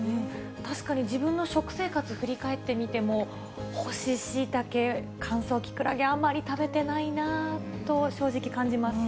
確かに自分の食生活振り返ってみても、干しシイタケ、乾燥キクラゲ、あんまり食べてないなぁと、正直感じます。